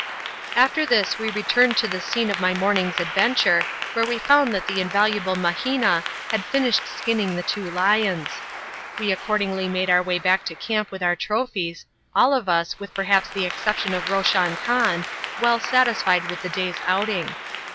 After this we returned to the scene of my morning's adventure, where we found that the invaluable Mahina had finished skinning the two lions. We accordingly made our way back to camp with our trophies, all of us, with perhaps the exception of Roshan Khan, well satisfied with the day's outing.